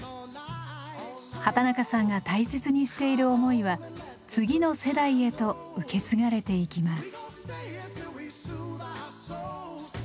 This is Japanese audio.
畠中さんが大切にしている思いは次の世代へと受け継がれていきます。